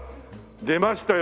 出ましたよ